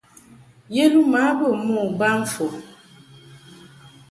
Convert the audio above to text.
Yeluma bə mo ba fon.